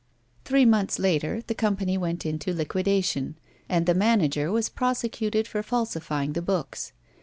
Three months later, the company went into liquida tion, and the manager was prosecuted for falsifying the books.